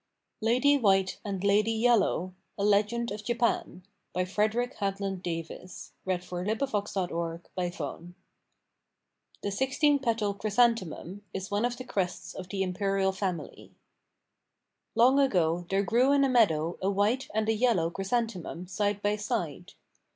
LADY WHITE AND LADY YELLOW (A Legend of Japan) FREDERICK HADLAND DAVIS The sixteen petal chrysanthemum is one of the crests of the Imperial family. Long ago there grew in a meadow a white and a yellow chrysanthemum side by side.